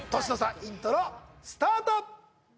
イントロスタート